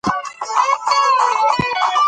خپله مینه له کار سره مه سړوه.